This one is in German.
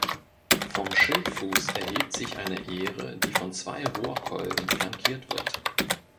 Vom Schildfuß erhebt sich eine Ähre, die von zwei Rohrkolben flankiert wird.